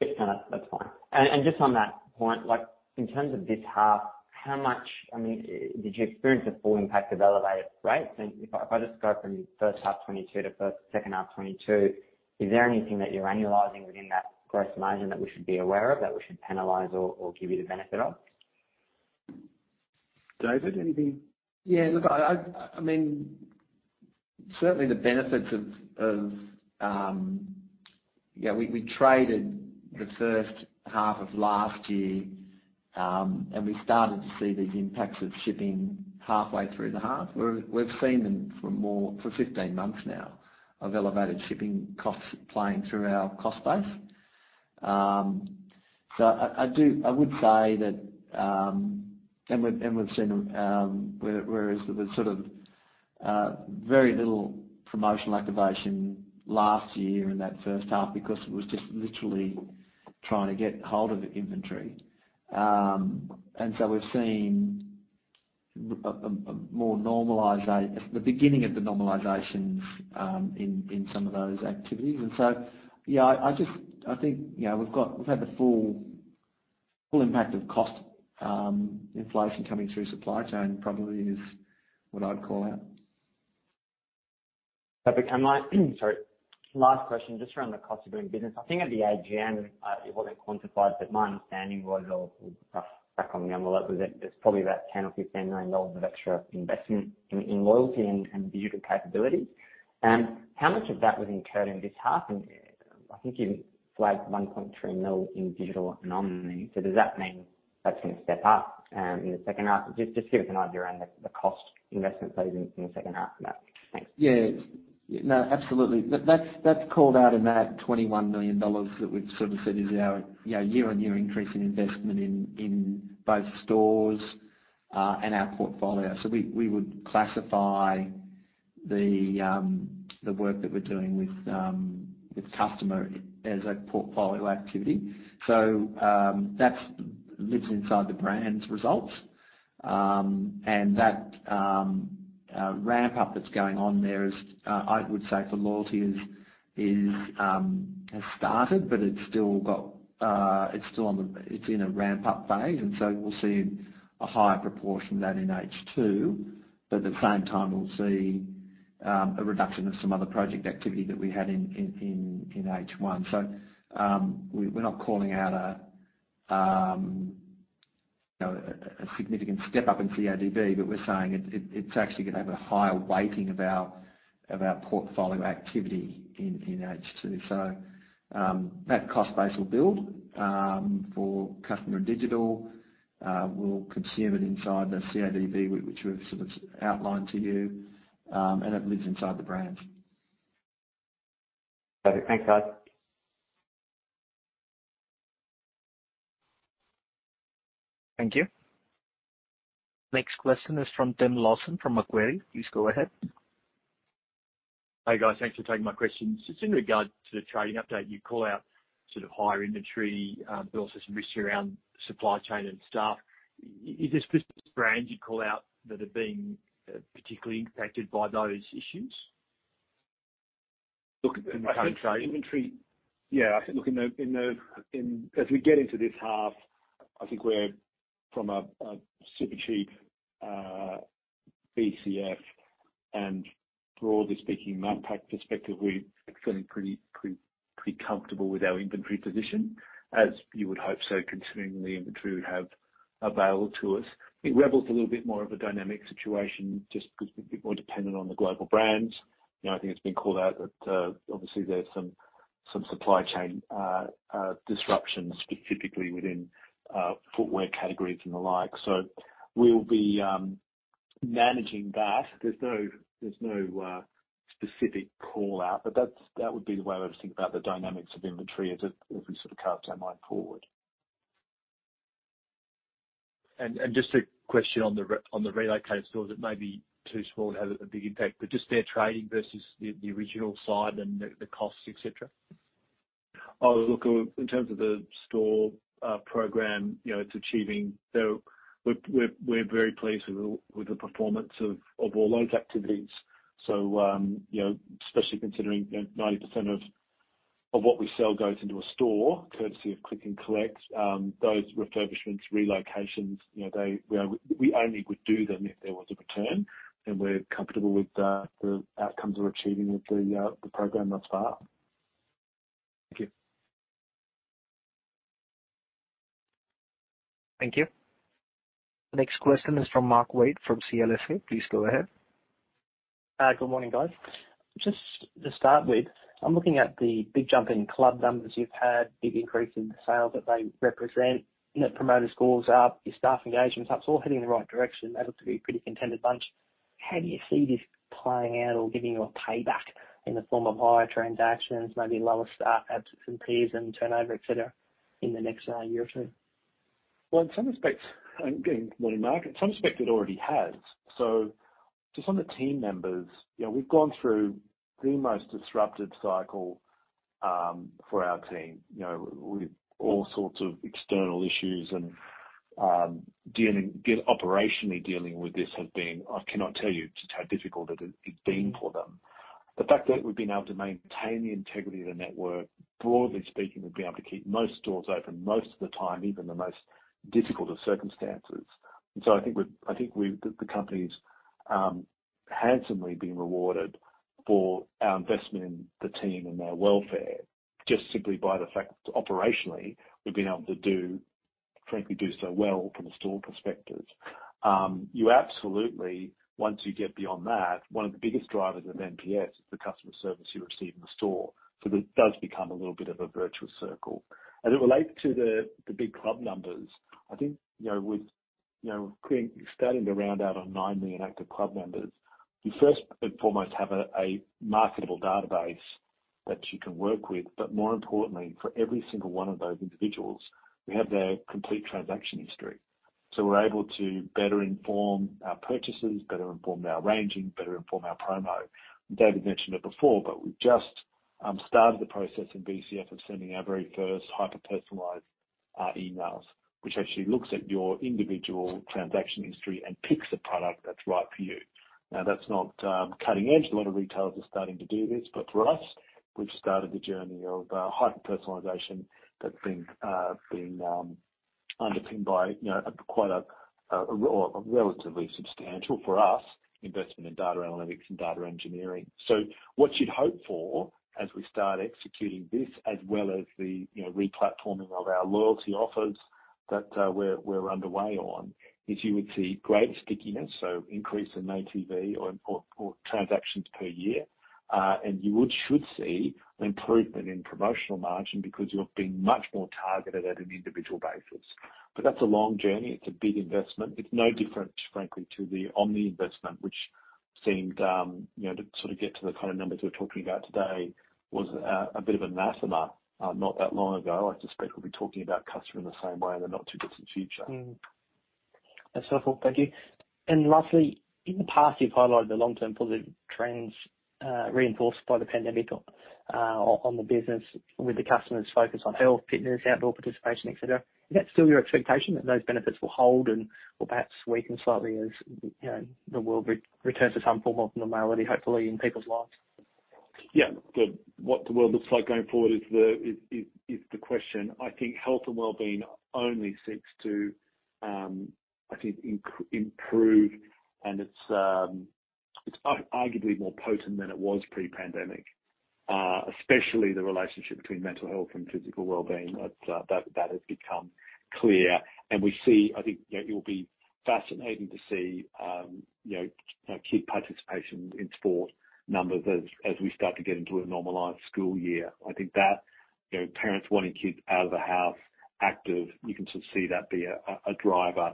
Yes. No, that's fine. Just on that point, like in terms of this half, how much, I mean, did you experience the full impact of elevated rates? If I just go from first half 2022 to second half 2022, is there anything that you're annualizing within that gross margin that we should be aware of, that we should analyze or give you the benefit of? David, anything? Yeah. Look, I mean, certainly the benefits of. Yeah, we traded the first half of last year and we started to see these impacts of shipping halfway through the half. We've seen them for 15 months now of elevated shipping costs playing through our cost base. I would say that and we've seen, whereas the sort of very little promotional activation last year in that first half because it was just literally trying to get hold of the inventory. We've seen the beginning of the normalizations in some of those activities. Yeah, I just. I think, you know, we've had the full impact of cost inflation coming through supply chain probably is what I'd call out. Perfect. Last question, just around the cost of doing business. I think at the AGM, it wasn't quantified, but my understanding was, or rough back-of-the-envelope, was that there's probably about 10 million or 15 million dollars of extra investment in loyalty and digital capabilities. How much of that was incurred in this half? I think you flagged 1.3 million in digital nominally. Does that mean that's gonna step up in the second half? Just give us an idea around the cost investment phase in the second half. Thanks. Yeah. No, absolutely. That's called out in that 21 million dollars that we've sort of said is our, you know, year-on-year increase in investment in both stores and our portfolio. We would classify the work that we're doing with customer as a portfolio activity. That's lives inside the brand's results. That ramp up that's going on there is, I would say for loyalty, has started, but it's still in a ramp up phase and we'll see a higher proportion of that in H2. At the same time we'll see a reduction of some other project activity that we had in H1. We're not calling out, you know, a significant step up in CODB, but we're saying it's actually gonna have a higher weighting of our portfolio activity in H2. That cost base will build for customer digital. We'll consume it inside the CODB which we've sort of outlined to you, and it lives inside the brands. Okay. Thanks, guys. Thank you. Next question is from Tim Lawson from Macquarie. Please go ahead. Hey, guys. Thanks for taking my questions. Just in regard to the trading update, you call out sort of higher inventory, but also some risks around supply chain and staff. Is there specific brands you call out that have been, particularly impacted by those issues? Look, I think inventory. In the current trade. Yeah, I think, look, as we get into this half, I think we're from a Supercheap, BCF, and broadly speaking, Macpac perspective, we're feeling pretty comfortable with our inventory position. As you would hope so, considering the inventory we have available to us. It leaves a little bit more of a dynamic situation just because we're a bit more dependent on the global brands. You know, I think it's been called out that obviously there's some supply chain disruptions specifically within footwear categories and the like. So we'll be managing that. There's no specific call-out, but that would be the way I would think about the dynamics of inventory as we sort of cast our mind forward. Just a question on the relocated stores. It may be too small to have a big impact, but just their trading versus the original side and the costs, et cetera. Oh, look, in terms of the store program, you know, it's achieving. We're very pleased with the performance of all those activities. You know, especially considering that 90% of what we sell goes into a store courtesy of click and collect, those refurbishments, relocations, you know, we only would do them if there was a return. We're comfortable with the outcomes we're achieving with the program thus far. Thank you. Thank you. Next question is from Mark Wade from CLSA. Please go ahead. Good morning, guys. Just to start with, I'm looking at the big jump in club numbers you've had, big increase in the sales that they represent. Net Promoter Scores are up, your staff engagement's up. It's all heading in the right direction. They look to be a pretty contented bunch. How do you see this playing out or giving you a payback in the form of higher transactions, maybe lower staff absences and turnover, et cetera, in the next year or two? Well, in some respects, getting more to market, it already has. Just on the team members, you know, we've gone through the most disrupted cycle for our team. You know, with all sorts of external issues and operationally dealing with this has been, I cannot tell you just how difficult it has, it's been for them. The fact that we've been able to maintain the integrity of the network, broadly speaking, we've been able to keep most stores open most of the time, even in the most difficult of circumstances. I think we've the company's handsomely been rewarded for our investment in the team and their welfare, just simply by the fact that operationally, we've been able to do, frankly, so well from a store perspective. You absolutely, once you get beyond that, one of the biggest drivers of NPS is the customer service you receive in the store. So it does become a little bit of a virtuous circle. As it relates to the big club numbers, I think, you know, with, you know, starting to round out on 9 million active club members, you first and foremost have a marketable database that you can work with. But more importantly, for every single one of those individuals, we have their complete transaction history. So we're able to better inform our purchases, better inform our ranging, better inform our promo. David mentioned it before, but we've just started the process in BCF of sending our very first hyper-personalized emails, which actually looks at your individual transaction history and picks a product that's right for you. Now, that's not cutting edge. A lot of retailers are starting to do this. For us, we've started the journey of hyper-personalization that's been underpinned by, you know, quite a relatively substantial, for us, investment in data analytics and data engineering. What you'd hope for as we start executing this, as well as the, you know, re-platforming of our loyalty offers that we're underway on, is you would see great stickiness, so increase in ATV or transactions per year, and you should see improvement in promotional margin because you're being much more targeted at an individual basis. That's a long journey. It's a big investment. It's no different, frankly, to the omni investment, which seemed to sort of get to the kind of numbers we're talking about today, was a bit of an anathema not that long ago. I suspect we'll be talking about customer in the same way in the not too distant future. That's helpful. Thank you. Lastly, in the past, you've highlighted the long-term positive trends reinforced by the pandemic on the business with the customers' focus on health, fitness, outdoor participation, et cetera. Is that still your expectation that those benefits will hold and/or perhaps weaken slightly as the world returns to some form of normality, hopefully, in people's lives? Yeah. What the world looks like going forward is the question. I think health and well-being only seeks to improve, and it's arguably more potent than it was pre-pandemic. Especially the relationship between mental health and physical well-being. That has become clear. We see, I think it'll be fascinating to see, you know, kid participation in sport numbers as we start to get into a normalized school year. I think that, you know, parents wanting kids out of the house, active, you can sort of see that be a driver.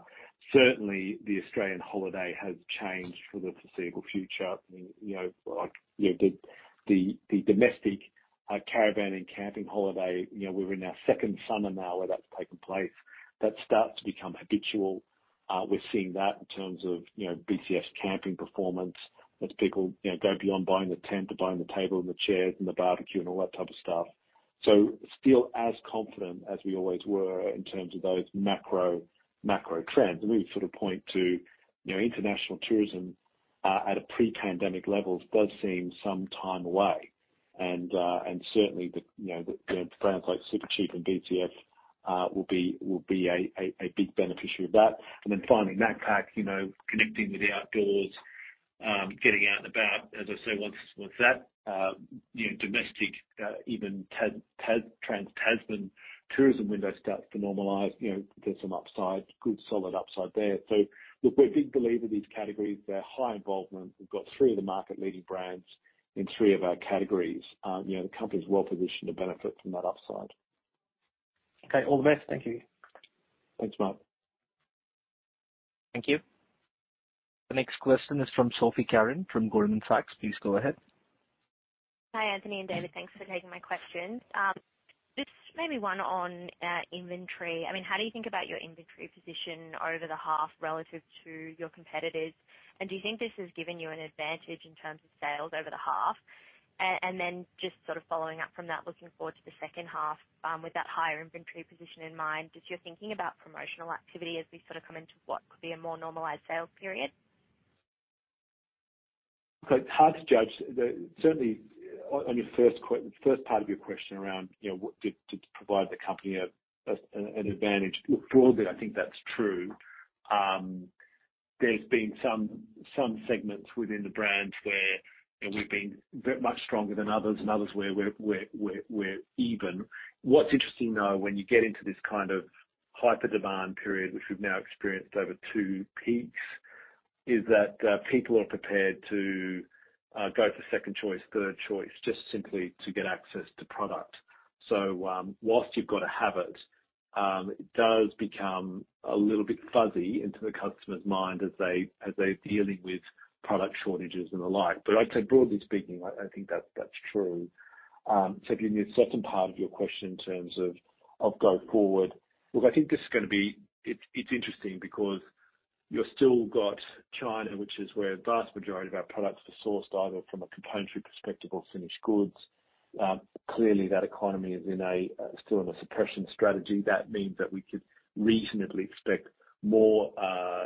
Certainly, the Australian holiday has changed for the foreseeable future. You know, like, the domestic caravan and camping holiday, you know, we're in our second summer now where that's taken place. That starts to become habitual. We're seeing that in terms of, you know, BCF's camping performance as people, you know, go beyond buying the tent, to buying the table and the chairs and the barbecue and all that type of stuff. Still as confident as we always were in terms of those macro trends. We sort of point to, you know, international tourism at pre-pandemic levels does seem some time away. Certainly the, you know, the brands like Supercheap and BCF will be a big beneficiary of that. Then finally, Macpac, you know, connecting with the outdoors, getting out and about. As I say, once that, you know, domestic, even Trans-Tasman tourism window starts to normalize, you know, there's some upside, good solid upside there. Look, we're a big believer in these categories. They're high involvement. We've got three of the market-leading brands in three of our categories. You know, the company's well-positioned to benefit from that upside. Okay. All the best. Thank you. Thanks, Mark. Thank you. The next question is from Sophie Carran from Goldman Sachs. Please go ahead. Hi, Anthony Heraghty and David Burns. Thanks for taking my questions. This may be one on inventory. I mean, how do you think about your inventory position over the half relative to your competitors? Do you think this has given you an advantage in terms of sales over the half? Just sort of following up from that, looking forward to the second half, with that higher inventory position in mind, is your thinking about promotional activity as we sort of come into what could be a more normalized sales period? Look, it's hard to judge. Certainly on your first part of your question around, you know, did it provide the company an advantage. Look, broadly, I think that's true. There's been some segments within the brands where we've been very much stronger than others and others where we're even. What's interesting, though, when you get into this kind of hyper demand period, which we've now experienced over two peaks, is that people are prepared to go for second choice, third choice, just simply to get access to product. While you've got to have it does become a little bit fuzzy into the customer's mind as they're dealing with product shortages and the like. I'd say broadly speaking, I think that's true. Given the second part of your question in terms of go forward. Look, I think this is gonna be interesting because you've still got China, which is where the vast majority of our products are sourced, either from a componentry perspective or finished goods. Clearly that economy is still in a suppression strategy. That means that we could reasonably expect more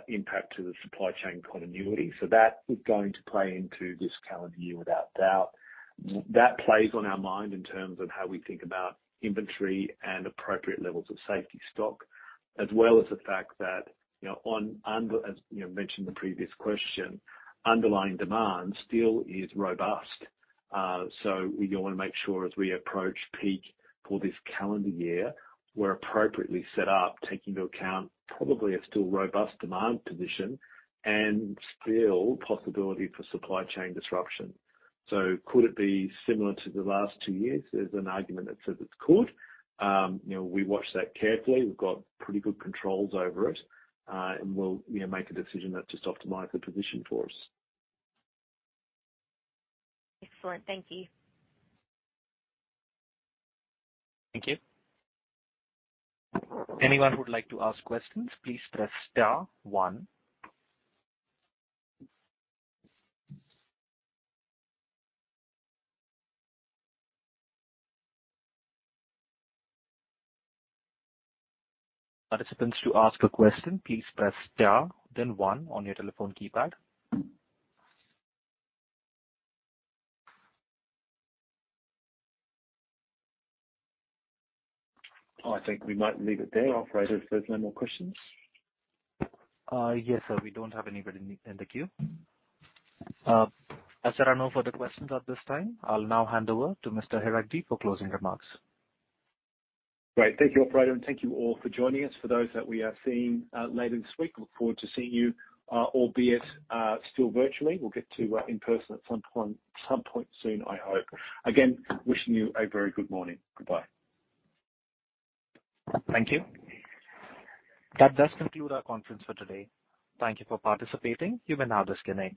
impact to the supply chain continuity. That is going to play into this calendar year without doubt. That plays on our mind in terms of how we think about inventory and appropriate levels of safety stock, as well as the fact that, you know, as you know, mentioned in the previous question, underlying demand still is robust. We wanna make sure as we approach peak for this calendar year, we're appropriately set up, taking into account probably a still robust demand position and still possibility for supply chain disruption. Could it be similar to the last two years? There's an argument that says it could. You know, we watch that carefully. We've got pretty good controls over it. We'll, you know, make a decision that just optimizes the position for us. Excellent. Thank you. Thank you. Anyone who would like to ask questions, please press star one. Participants to ask a question, please press star, then one on your telephone keypad. Oh, I think we might leave it there, operator, if there's no more questions. Yes, sir, we don't have anybody in the queue. As there are no further questions at this time, I'll now hand over to Mr. Heraghty for closing remarks. Great. Thank you, operator, and thank you all for joining us. For those that we are seeing later this week, look forward to seeing you, albeit still virtually. We'll get to in person at some point soon, I hope. Again, wishing you a very good morning. Goodbye. Thank you. That does conclude our conference for today. Thank you for participating. You may now disconnect.